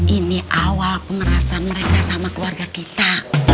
ini awal pemerasan mereka sama keluarga kita